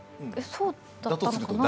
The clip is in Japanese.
そうだったのかな？